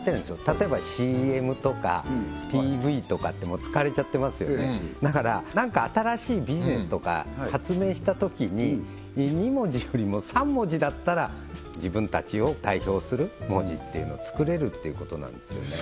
例えばＣＭとかＴＶとかってもう使われちゃってますよねだから何か新しいビジネスとか発明したときに２文字よりも３文字だったら自分たちを代表する文字っていうのを作れるっていうことなんですよね